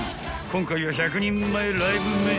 ［今回は１００人前ライブ飯］